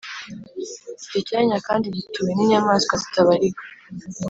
Icyo cyanya kandi gituwe n’inyamaswa zitabarika.